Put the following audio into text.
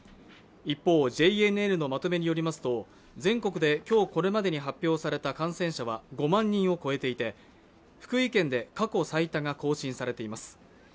一方、ＪＮＮのまとめによりますと、全国で今日これまでに発表された感染者は５万人を超えていて、福井県で過去最多が更新されています。